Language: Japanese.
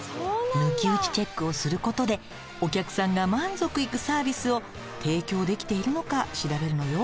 抜き打ちチェックをすることでお客さんが満足いくサービスを提供できているのか調べるのよ。